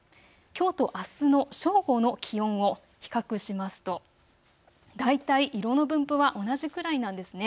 きょうとあすの正午の気温を比較しますと大体、色の分布は同じくらいなんです。